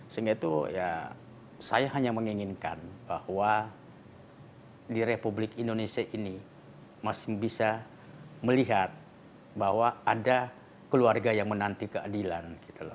sehingga itu ya saya hanya menginginkan bahwa di republik indonesia ini masih bisa melihat bahwa ada keluarga yang menanti keadilan